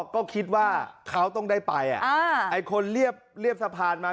ก็คิดว่าเขาต้องได้ไปไอ้คนเรียบสะพานมา